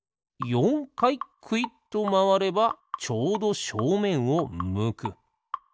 かいくいっとまわればちょうどしょうめんをむく。